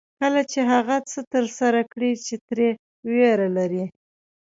کله چې هغه څه ترسره کړئ چې ترې وېره لرئ.